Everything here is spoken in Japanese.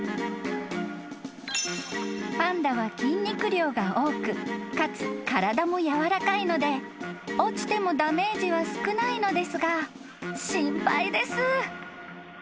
［パンダは筋肉量が多くかつ体もやわらかいので落ちてもダメージは少ないのですが心配です］